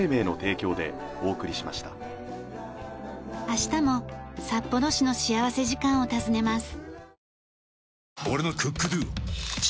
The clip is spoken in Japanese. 明日も札幌市の幸福時間を訪ねます。